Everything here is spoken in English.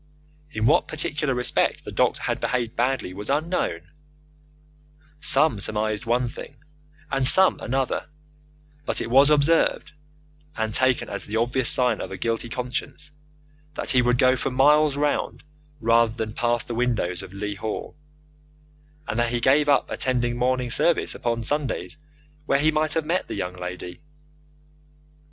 In what particular respect the doctor had behaved badly was unknown some surmised one thing and some another; but it was observed, and taken as the obvious sign of a guilty conscience, that he would go for miles round rather than pass the windows of Leigh Hall, and that he gave up attending morning service upon Sundays where he might have met the young lady.